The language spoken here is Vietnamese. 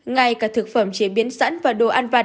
ngay cả thực phẩm chế biến sẵn và đồ ăn vặt